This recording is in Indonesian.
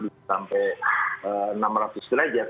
sampai enam ratus derajat